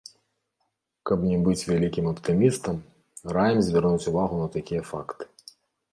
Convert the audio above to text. Каб не быць вялікім аптымістам, раім звярнуць увагу на такія факты.